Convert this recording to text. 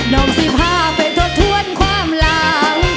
น้องสิผ่าไปถดถวนความร้าง